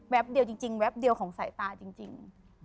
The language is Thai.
เดียวจริงแป๊บเดียวของสายตาจริง